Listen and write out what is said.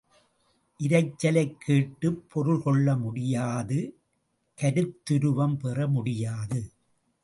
இரைச்சலைக் கேட்டுப் பொருள் கொள்ள முடியாது கருத்துருவம் பெற முடியாது.